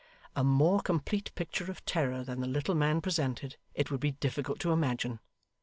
A more complete picture of terror than the little man presented, it would be difficult to imagine.